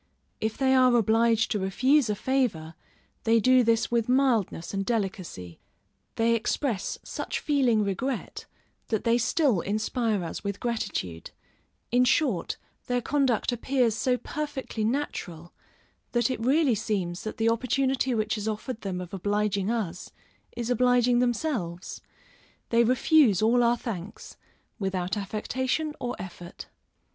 If they are obliged to refuse a favor, they do this with mildness and delicacy; they express such feeling regret, that they still inspire us with gratitude; in short, their conduct appears so perfectly natural, that it really seems that the opportunity which is offered them of obliging us, is obliging themselves; they refuse all our thanks, without affectation or effort.